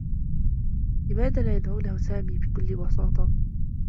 لماذا لا يدعونه "سامي" بكلّ بساطة؟